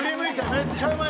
「めっちゃうまい！」。